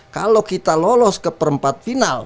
kalau kita lolos ke perempat final